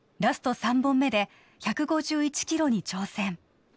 ３本目で１５１キロに挑戦